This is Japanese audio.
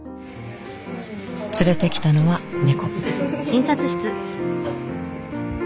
連れてきたのは猫。